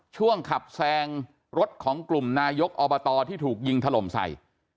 ช่วงขับแซงรถของกลุ่มนายกอบตที่ถูกยิงถล่มใส่